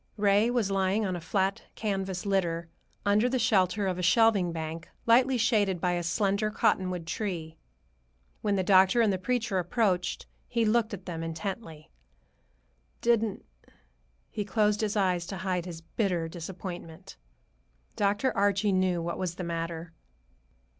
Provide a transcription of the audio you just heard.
Ray was lying on a flat canvas litter, under the shelter of a shelving bank, lightly shaded by a slender cottonwood tree. When the doctor and the preacher approached, he looked at them intently. "Didn't—" he closed his eyes to hide his bitter disappointment. Dr. Archie knew what was the matter.